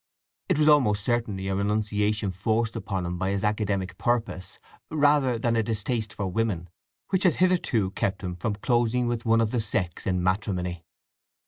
It was almost certainly a renunciation forced upon him by his academic purpose, rather than a distaste for women, which had hitherto kept him from closing with one of the sex in matrimony.